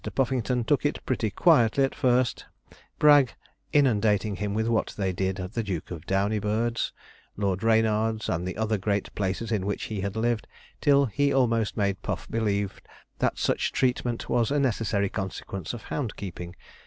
Puffington took it pretty quietly at first, Bragg inundating him with what they did at the Duke of Downeybird's, Lord Reynard's, and the other great places in which he had lived, till he almost made Puff believe that such treatment was a necessary consequence of hound keeping.